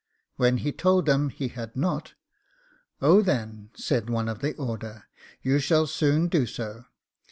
When he told them he had not, 'Oh, then,' said one of the Order, 'you shall soon do so.